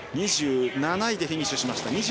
２７位でフィニッシュしました。